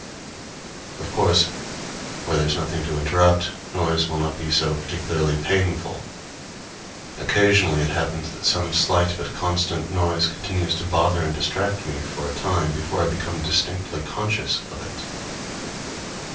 Of course, where there is nothing to interrupt, noise will not be so particularly painful. Occasionally it happens that some slight but constant noise continues to bother and distract me for a time before I become distinctly conscious of it.